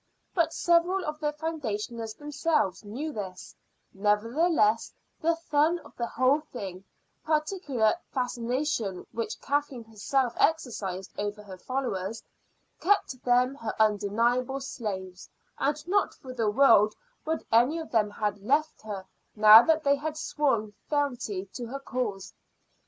But several of the foundationers themselves knew this; nevertheless the fun of the whole thing, the particular fascination which Kathleen herself exercised over her followers, kept them her undeniable slaves, and not for the world would any of them have left her now that they had sworn fealty to her cause.